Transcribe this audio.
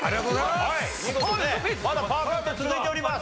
まだパーフェクト続いております。